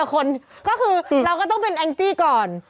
ก็คือเราก็ต้องเป็นก่อน